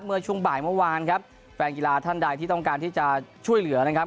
เมื่อช่วงบ่ายเมื่อวานครับแฟนกีฬาท่านใดที่ต้องการที่จะช่วยเหลือนะครับ